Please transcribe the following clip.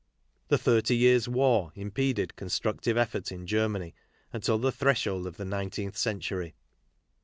The Thirty Years' War im peded constructive effort in Germany until the threshold of the nineteenth century.